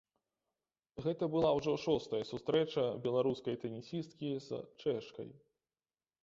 Гэта была ўжо шостая сустрэча беларускай тэнісісткі з чэшкай.